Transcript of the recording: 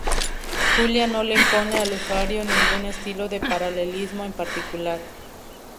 Julia no le impone al usuario ningún estilo de paralelismo en particular.